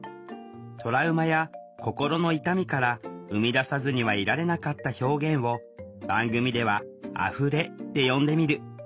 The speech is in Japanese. トラウマや心の痛みから生み出さずにはいられなかった表現を番組では「あふれ」って呼んでみる。